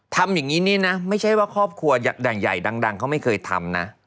ทำอย่างนี้นี่นะไม่ใช่ว่าครอบครัวใหญ่ดังเขาไม่เคยทำนะ